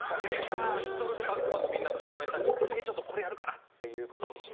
イントロでバックバンドのみんなと照明さんに次ちょっとこれやるからっていう事にして。